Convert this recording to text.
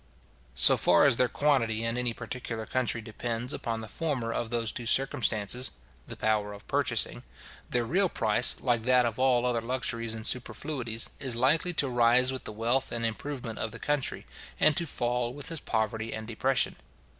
So far as their quantity in any particular country depends upon the former of those two circumstances (the power of purchasing), their real price, like that of all other luxuries and superfluities, is likely to rise with the wealth and improvement of the country, and to fall with its poverty and depression.